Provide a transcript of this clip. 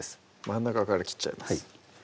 真ん中から切っちゃいます